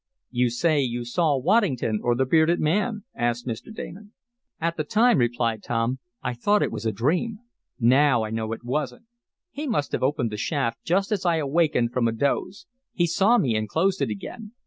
"You say you saw Waddington, or the bearded man?" asked Mr. Damon. "At the time," replied Tom, "I thought it was a dream. Now I know it wasn't. He must have opened the shaft just as I awakened from a doze. He saw me and closed it again.